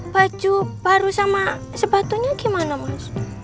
baju baru sama sepatunya gimana mas